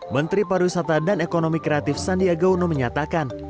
menteri pariwisata dan ekonomi kreatif sandiaga uno menyatakan